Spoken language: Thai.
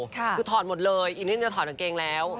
คือถอดหมดเลยอีกนิดจะถอดกางเกงแล้ว